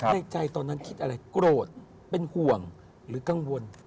ในใจตอนนั้นคิดอะไรโกรธเป็นห่วงหรือกังวล